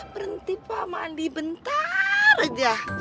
berhenti pak mandi bentar reja